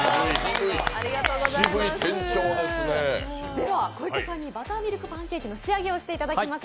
では小池さんにバターミルクパンケーキの仕上げをしていただきます。